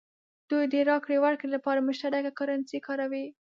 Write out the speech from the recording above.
دوی د راکړې ورکړې لپاره مشترکه کرنسي کاروي.